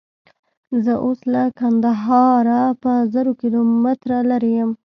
زه اوس له کندهاره په زرو کیلومتره لیرې یم.